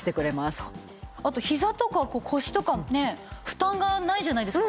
あとひざとか腰とか負担がないじゃないですか。